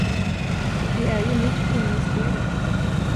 Vi är ju mitt inne i spelet.